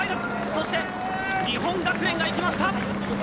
そして日本学連が行きました。